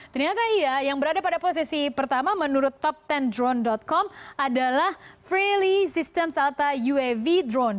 ternyata iya yang berada pada posisi pertama menurut top sepuluh drone com adalah fraly system salta uav drone